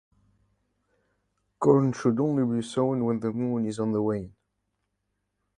Corn should only be sown when the moon is on the wane.